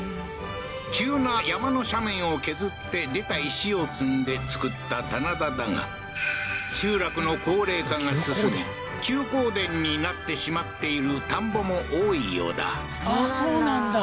急な山の斜面を削って出た石を積んで造った棚田だが集落の高齢化が進み休耕田になってしまっている田んぼも多いようだそうなんだ